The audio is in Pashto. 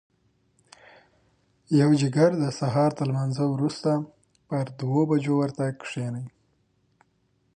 پوجيگر د سهار تر لمانځه وروسته پر دوو پښو ورته کښېني.